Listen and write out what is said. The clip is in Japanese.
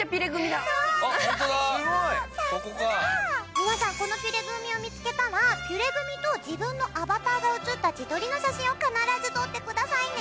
皆さんこのピュレグミを見つけたらピュレグミと自分のアバターが写った自撮りの写真を必ず撮ってくださいね。